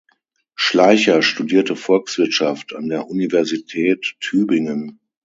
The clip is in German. Schleicher studierte Volkswirtschaft an der Universität Tübingen.